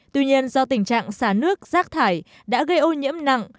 tuy nhiên do tình trạng xả nước rác thải đã gây ô nhiễm nặng